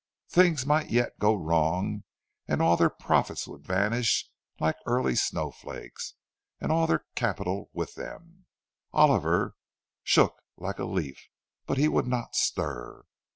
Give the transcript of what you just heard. Things might yet go wrong, and all their profits would vanish like early snow flakes—and all their capital with them. Oliver shook like a leaf, but he would not stir.